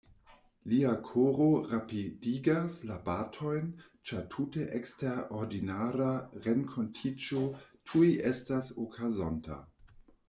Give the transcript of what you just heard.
Lia koro rapidigas la batojn ĉar tute eksterordinara renkontiĝo tuj estas okazonta.